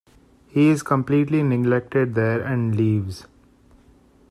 He is completely neglected there and leaves.